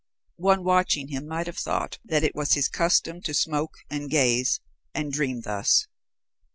One watching him might have thought that it was his custom to smoke and gaze and dream thus.